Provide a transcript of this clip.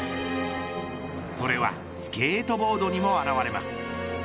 それはスケートボードにも表れます。